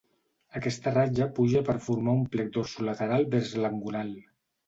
Aquesta ratlla puja per formar un plec dorsolateral vers l'engonal.